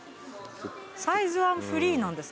サイズはフリーなんですかね。